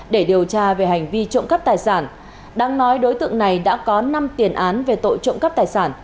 để điều tra về hành vi trộm cắp tài sản đang nói đối tượng này đã có năm tiền án về tội trộm cắp tài sản